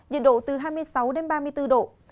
nhiệt độ từ hai mươi sáu đến ba mươi bốn độ